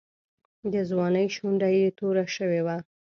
د ځوانۍ شونډه یې توره شوې وه.